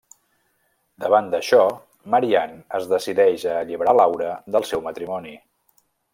Davant d'això, Marian es decideix a alliberar Laura del seu matrimoni.